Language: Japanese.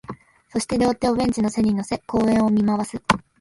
そして、両手をベンチの背に乗せ、公園を見回す